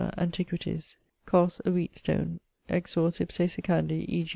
antiquities. Cos, a wheatstone, exors ipse secandi, e.